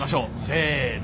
せの。